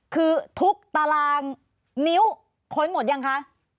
คือทุกตารางนิ้วค้นหมดยังคะ